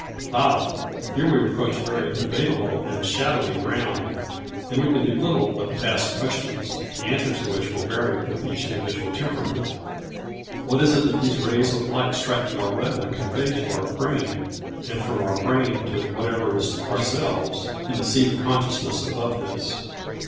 Ah! Here we approach very debatable and shadowy ground, and we can do little but ask questions, the answer to which will vary with each individual temperament. What is it that these rays of light striking our retina convey to our brain, and from our brain to whatever is ourselves, in the seat of consciousness above this?